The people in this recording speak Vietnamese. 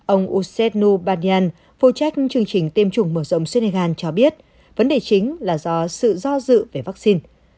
ông usenu badyan phụ trách chương trình tiêm chủng mở rộng senegal cho biết vấn đề chính là do sự do dự về vaccine